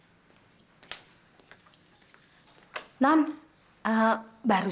tidak ada masalah ya